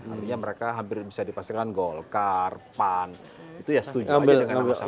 artinya mereka hampir bisa dipastikan golkar pan itu ya setuju aja dengan nama saya